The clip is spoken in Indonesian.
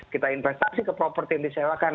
kita investasi ke properti yang disewakan